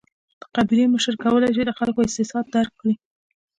د قبیلې مشر کولای شي د خلکو احساسات درک کړي.